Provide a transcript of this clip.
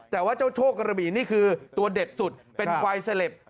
แต่ว่าเจ้าโชคกระบี่นี่คือตัวเด็ดสุดเป็นควายเสล็บ